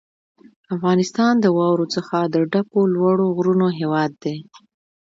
افغانستان د واورو څخه د ډکو لوړو غرونو هېواد دی.